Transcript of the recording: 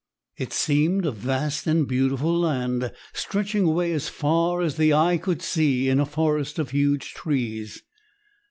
It seemed a vast and beautiful land, stretching away as far as the eye could see in a forest of huge trees.